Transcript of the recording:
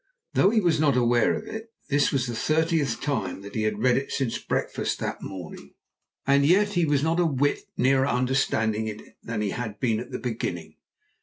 Though he was not aware of it, this was the thirtieth time he had read it since breakfast that morning. And yet he was not a whit nearer understanding it than he had been at the beginning.